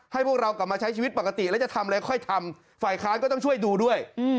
แล้วจะทำอะไรค่อยทำฝ่ายค้างก็ต้องช่วยดูด้วย